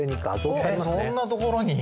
えっそんなところに。